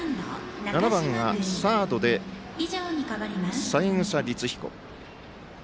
７番がサードで三枝律彦。